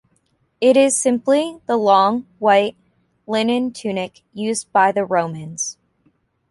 It is simply the long, white linen tunic used by the Romans.